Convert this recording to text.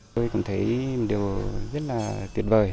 tôi cũng thấy điều rất là tuyệt vời